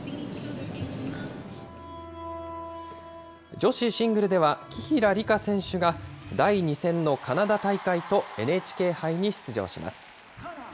女子シングルでは、紀平梨花選手が、第２戦のカナダ大会とＮＨＫ杯に出場します。